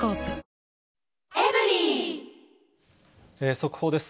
速報です。